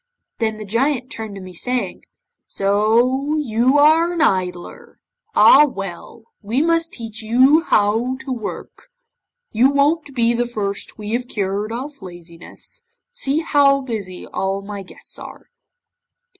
'Then the Giant turned to me, saying, '"So you are an idler! Ah! well, we must teach you to work. You won't be the first we have cured of laziness. See how busy all my guests are."